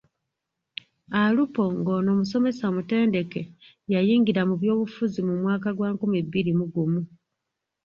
Alupo ng’ono musomesa mutendeke, yayingira mu byobufuzi mu mwaka gwa nkumi bbiri mu gumu.